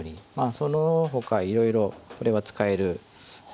そのほかいろいろこれは使えるたれですね。